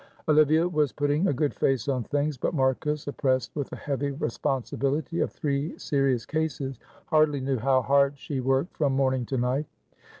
Olivia was putting a good face on things, but Marcus, oppressed with the heavy responsibility of three serious cases, hardly knew how hard she worked from morning to night.